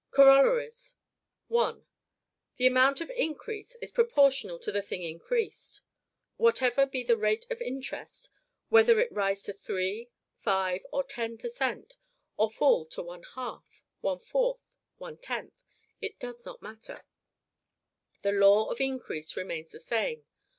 COROLLARIES. 1. THE AMOUNT OF INCREASE IS PROPORTIONAL TO THE THING INCREASED. Whatever be the rate of interest, whether it rise to three, five, or ten per cent., or fall to one half, one fourth, one tenth, it does not matter; the law of increase remains the same.